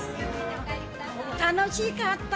楽しかった。